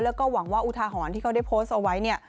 แล้วก็หวังว่าอุทาหรณ์ที่เขาได้โพสต์เอาไว้เนี่ย